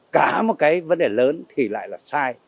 cả một cái vấn đề lớn thì lại là sai